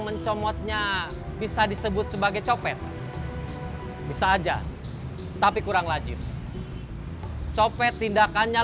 mencomotnya bisa disebut sebagai copet bisa aja tapi kurang lajib copet tindakannya